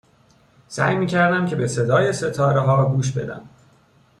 سعی می کردم که به صدای ستاره ها گوش بدم